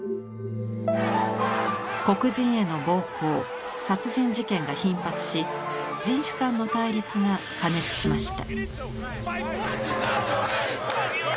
黒人への暴行殺人事件が頻発し人種間の対立が過熱しました。